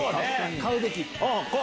買うべき。